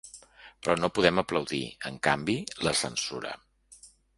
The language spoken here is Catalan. Però no podem aplaudir, en canvi, la censura.